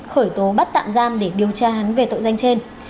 khởi tố bắt tạm giam để điều tra hắn về tội danh trên